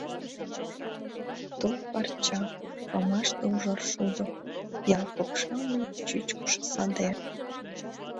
Той парча, памаш да ужар шудо, Ял покшелне чӱчкышӧ садер…